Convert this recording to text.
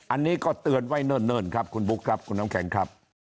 อันนี้ก็เตือนไว้เนิ่นครับคุณบุ๊คครับคุณน้ำแข็งครับ